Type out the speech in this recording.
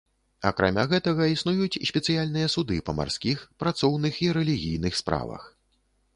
Акрамя гэтага існуюць спецыяльныя суды па марскіх, працоўных і рэлігійных справах.